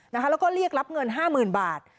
แล้วก็เรียกรับเงิน๕๐๐๐บาท